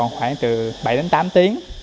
khoảng bảy tám tiếng